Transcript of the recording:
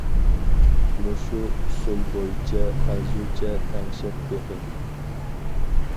مۇشۇ ئۇسۇل بويىچە خەنزۇچە تەڭشەپ بېقىڭ.